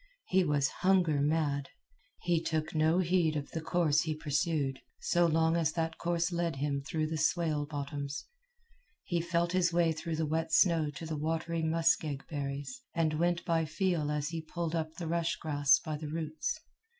He was hunger mad. He took no heed of the course he pursued, so long as that course led him through the swale bottoms. He felt his way through the wet snow to the watery muskeg berries, and went by feel as he pulled up the rush grass by the roots.